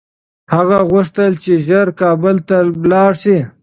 هغه غوښتل چي ژر کابل ته لاړ شي.